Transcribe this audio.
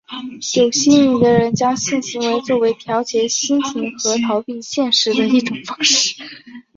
有性瘾的人将性行动作为调节心情和逃避现实的一种方式。